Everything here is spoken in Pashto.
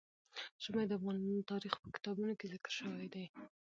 ژمی د افغان تاریخ په کتابونو کې ذکر شوی دي.